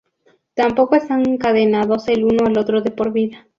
Tampoco están encadenados el uno al otro de por vida.